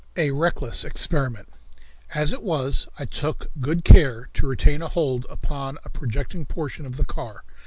A Reckless Experiment. As it was, I took good care to retain a hold upon a projecting portion of the car.